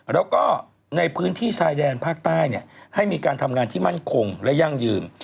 แล้วก็ในพื้นที่ชายแดนภาคใต้ให้มีการทำงานที่มั่นคงและยั่งยืน